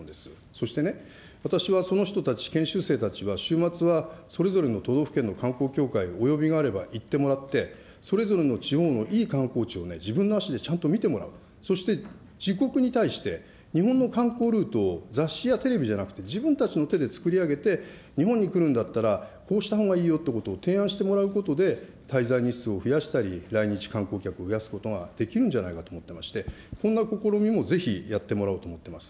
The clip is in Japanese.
そしてね、私はその人たち、研修生たちは、週末はそれぞれの都道府県の観光協会へお呼びがあれば行ってもらって、それぞれの地方のいい観光地を自分の足でちゃんと見てもらう、そして自国に対して、日本の観光ルートを雑誌やテレビじゃなくて、自分たちの手で作り上げて、日本に来るんだったら、こうしたほうがいいよということを提案してもらうことで、滞在日数を増やしたり、来日観光客を増やすことができるんじゃないかと思っていまして、こんな試みもぜひやってもらおうと思ってます。